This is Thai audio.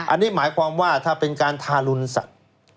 อันนี้หมายความว่าถ้าเป็นการทารุณสัตว์